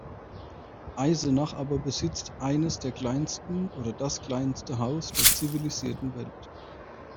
Eisenach aber besitzt eines der kleinsten oder das kleinste Haus der zivilisierten Welt.